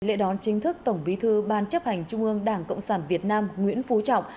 lễ đón chính thức tổng bí thư ban chấp hành trung ương đảng cộng sản việt nam nguyễn phú trọng